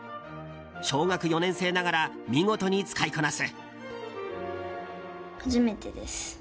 小学４年生ながら見事に使いこなす。